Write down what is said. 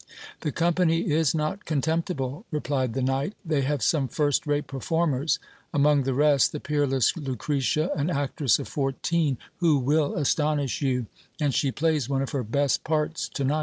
The company is not contemptible, replied the knight: they have some first rate performers ; among the rest, the peerless Lucretia, an actress of fourteen, who will astonish you: and she plays one of her best parts to night.